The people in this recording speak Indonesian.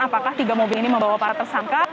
apakah tiga mobil ini membawa para tersangka